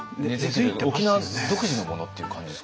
沖縄独自のものっていう感じですかね。